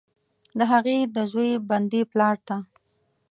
د هغې، د زوی، بندي پلارته،